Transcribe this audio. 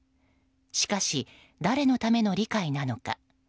しかし誰のための理解なのか。